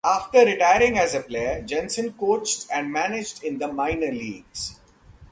After retiring as a player, Jensen coached and managed in the minor leagues.